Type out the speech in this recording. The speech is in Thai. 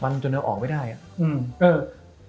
มันจนเราออกไม่ได้ขนาดนี้นะมันจนเราออกไม่ได้